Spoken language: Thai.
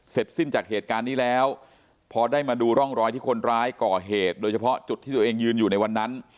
สิ้นจากเหตุการณ์นี้แล้วพอได้มาดูร่องรอยที่คนร้ายก่อเหตุโดยเฉพาะจุดที่ตัวเองยืนอยู่ในวันนั้น